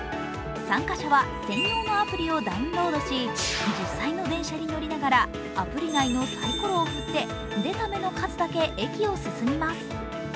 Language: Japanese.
参加者は専用のアプリをダウンロードし、実際の電車に乗りながら、アプリ内のサイコロを振って出た目の数だけ駅を進みます。